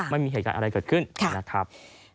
ไม่มีเหตุการณ์อะไรเกิดขึ้นนะครับ